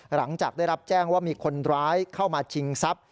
หลังจากได้รับแจ้งว่ามีคนร้ายเข้ามาชิงทรัพย์